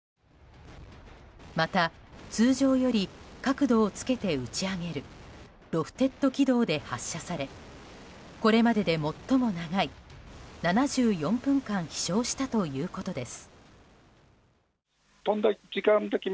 また、通常より角度をつけて打ち上げるロフテッド軌道で発射されこれまでで最も長い、７４分間飛翔したということです。